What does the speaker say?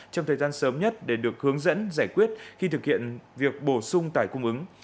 trong thời gian sớm nhất để được hướng dẫn giải quyết khi thực hiện việc bổ sung tải cung ứng